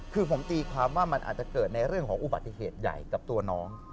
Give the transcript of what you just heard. คือผมตีความว่ามันอาจจะเกิดในเรื่องของอุบัติเหตุใหญ่กับตัวน้อง